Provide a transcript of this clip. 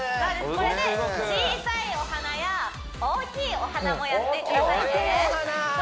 これで小さいお花や大きいお花もやってくださいね大きいお花！